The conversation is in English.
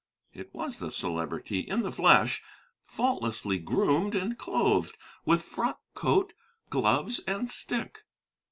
It was the Celebrity, in the flesh, faultlessly groomed and clothed, with frock coat, gloves, and stick.